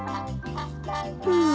うん。